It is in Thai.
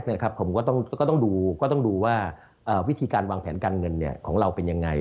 ผมก็ต้องดูก็ต้องดูว่าวิธีการวางแผนการเงินของเราเป็นยังไง